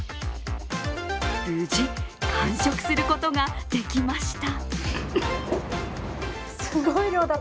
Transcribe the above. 無事、完食することができました。